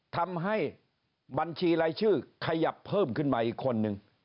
ทำให้บัญชีรายชื่อขยับเพิ่มขึ้นมาอีกคนนึง